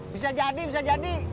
bisa jadi bisa jadi